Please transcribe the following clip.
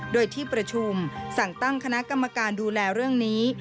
โดยที่ประชุมสั่งตั้งคณะกรรมการดูแลเรื่องนี้